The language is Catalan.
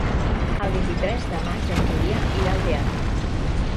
El vint-i-tres de maig en Julià irà al teatre.